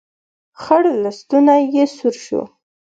خړ لستوڼی يې سور شو.